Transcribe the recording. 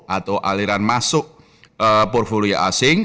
atau aliran masuk portfolio asing